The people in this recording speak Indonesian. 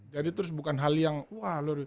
jadi terus bukan hal yang wah lho